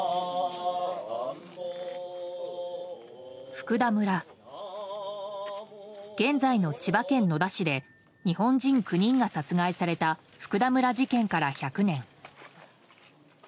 福田村、現在の千葉県野田市で日本人９人が殺害された福田村事件から１００年。